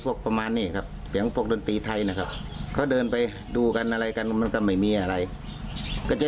พวกเสียงดนตรีเสียงอะไรแบบนี้ค่ะ